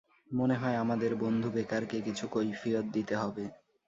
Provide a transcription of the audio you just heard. মনে হয় আমাদের বন্ধু বেকারকে কিছু কৈফিয়ত দিতে হবে।